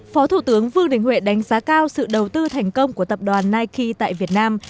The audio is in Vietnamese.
phó thủ tướng vương đình huệ đánh giá cao sự đầu tư thành công của tập đoàn nike tại việt nam